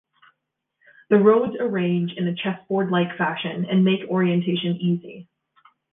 The roads arrange in a chessboard-like fashion and make orientation easy.